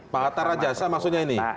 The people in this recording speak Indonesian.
pak hatta rajasa maksudnya ini